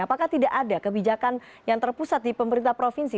apakah tidak ada kebijakan yang terpusat di pemerintah provinsi